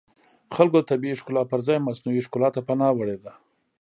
خلکو د طبیعي ښکلا پرځای مصنوعي ښکلا ته پناه وړې وه